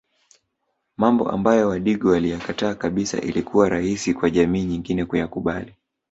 Mambo ambayo wadigo waliyakataa kabisa ilikuwa rahisi kwa jamii nyingine kuyakubali